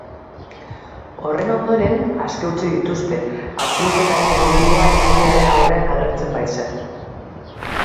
Horren ondoren, aske utzi dituzte, atxiloketaren helburua epailearen aurrean agertzea baitzen.